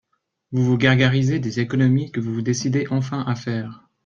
Vous vous gargarisez des économies que vous vous décidez enfin à faire.